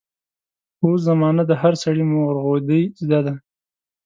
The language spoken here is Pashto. په اوس زمانه د هر سړي مورغودۍ زده دي.